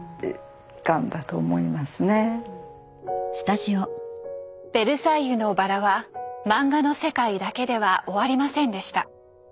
ただ「ベルサイユのばら」はマンガの世界だけでは終わりませんでした。